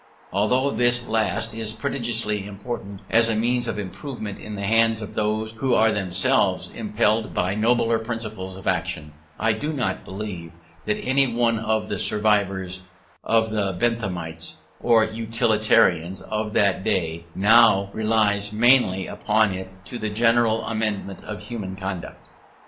Although this last is prodigiously important as a means of improvement in the hands of those who are themselves impelled by nobler principles of action, I do not believe that any one of the survivors of the Benthamites or Utilitarians of that day now relies mainly upon it for the general amendment of human conduct.